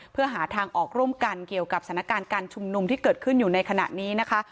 เพื่อหาทางออกร่วมกันเกี่ยวกับสถานการณ์การชุมนุมที่เกิดขึ้นอยู่ในขณะนี้นะคะ